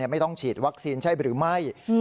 ไม่ต้องฉีดวัคซีนใช่หรือไม่